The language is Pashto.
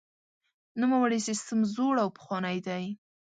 نوموړی سیستم زوړ او پخوانی دی.